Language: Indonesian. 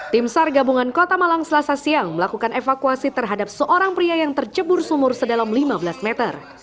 tim sar gabungan kota malang selasa siang melakukan evakuasi terhadap seorang pria yang tercebur sumur sedalam lima belas meter